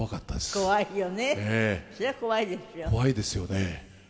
怖いですよね。